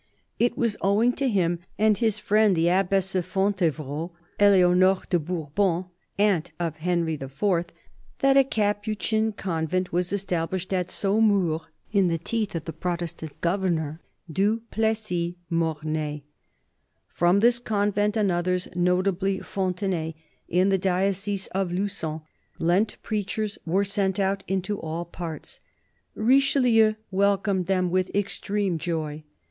It was owing to him, and to his friend the Abbess of Fontevrault, Eleonore de Bourbon, aunt of Henry IV., that a Capuchin convent was established at Saumur in the teeth of the Protestant governor, Du Plessis Mornay. From this convent and others, notably Fontenay, in the diocese of Lugon, Lent preachers were sent out into all parts. Richelieu welcomed them with "extreme joy."